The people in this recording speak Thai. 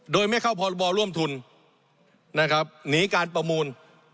โดยไม่เข้าพรบร่วมทุนนะครับหนีการประมูล